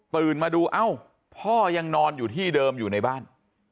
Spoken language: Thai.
มาดูเอ้าพ่อยังนอนอยู่ที่เดิมอยู่ในบ้าน